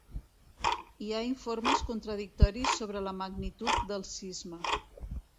Hi ha informes contradictoris sobre la magnitud del sisme.